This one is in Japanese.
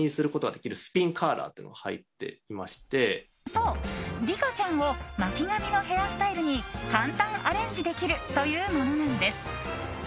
そう、リカちゃんを巻き髪のヘアスタイルに簡単アレンジできるというものなんです。